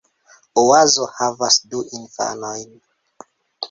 Oazo havas du infanojn.